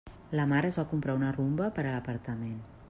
La Mar es va comprar una Rumba per a l'apartament.